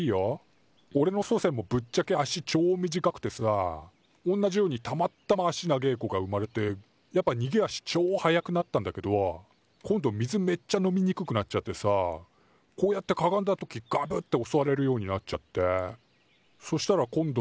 おれの祖先もぶっちゃけ足ちょ短くてさおんなじようにたまったま足長え子が生まれてやっぱにげ足ちょ早くなったんだけど今度水めっちゃ飲みにくくなっちゃってさこうやってかがんだ時ガブッておそわれるようになっちゃってそしたら今度。